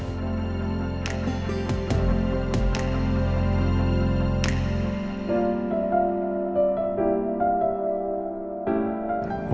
aku mau pergi